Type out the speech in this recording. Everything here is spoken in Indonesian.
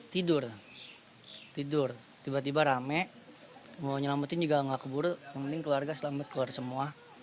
tidur tidur tiba tiba rame mau nyelamatin juga nggak keburu yang penting keluarga selamat keluar semua